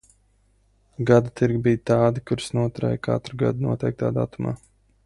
Gada tirgi bija tādi, kurus noturēja katru gadu noteiktā datumā.